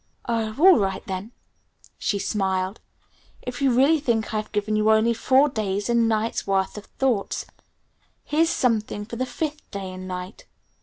"Oh, all right then," she smiled. "If you really think I've given you only four days' and nights' worth of thoughts here's something for the fifth day and night."